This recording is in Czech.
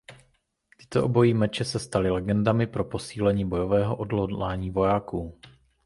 Tyto obojí meče se staly legendami pro posílení bojového odhodlání vojáků.